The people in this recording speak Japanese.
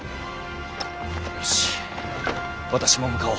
よし私も向かおう。